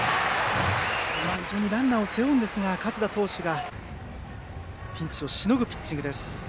非常にランナーを背負うんですが勝田投手がピンチをしのぐピッチングです。